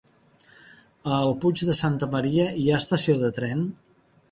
A el Puig de Santa Maria hi ha estació de tren?